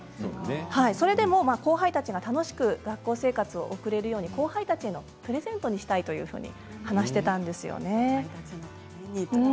それでも後輩たちが楽しく学校生活を送れるよう後輩たちへのプレゼントにしたいと話していました。